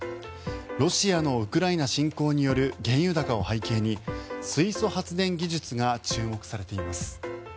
ロシアのウクライナ侵攻による原油高を背景に水素発電技術が注目されています。